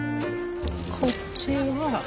こっちは？